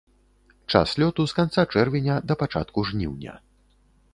Час лёту з канца чэрвеня да пачатку жніўня.